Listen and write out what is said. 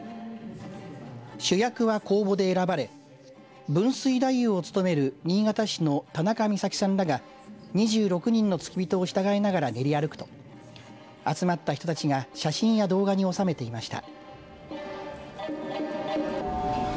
主役は公募で選ばれ分水太夫を務める新潟市の田中美沙紀さんらが２６人の付き人を従えながら練り歩くと集まった人たちが写真や動画に収めていました。